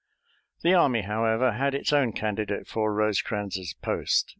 The army, however, had its own candidate for Rosecrans's post.